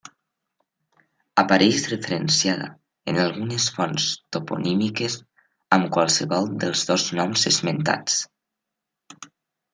Apareix referenciada en algunes fonts toponímiques amb qualsevol dels dos noms esmentats.